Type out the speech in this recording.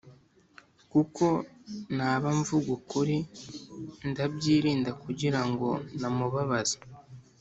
kuko naba mvuga ukuri ndabyirinda kugira ngo namubabaza